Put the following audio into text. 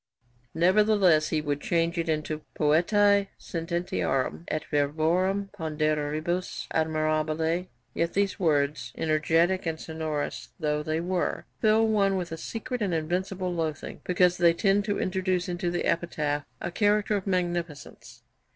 Nevertheless he would change it into 'poetae sententiarum et verborum ponderibus admirabili.' Yet these words, 'energetic and sonorous' though they were, 'fill one with a secret and invincible loathing, because they tend to introduce into the epitaph a character of magnificence.'